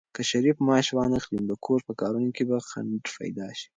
که شریف معاش وانخلي، نو د کور په کارونو کې به خنډ پيدا شي.